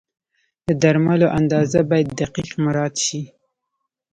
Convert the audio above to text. د درملو اندازه باید دقیق مراعت شي.